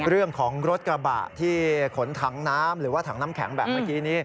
รถกระบะที่ขนถังน้ำหรือว่าถังน้ำแข็งแบบเมื่อกี้นี้